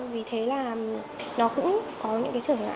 vì thế là nó cũng có những trở ngại